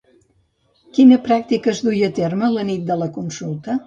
Quina pràctica es duia a terme la nit de la consulta?